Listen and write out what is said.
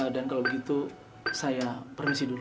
dan kalau begitu saya permisi dulu